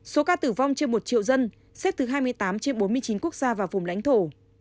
số ca tử vong trên một triệu dân xếp thứ hai mươi tám trên bốn mươi chín quốc gia và vùng lãnh thổ